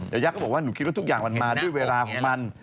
ยายาก็บอกว่าหนูคิดว่าทุกอย่างมันมาด้วยเวลาของมัน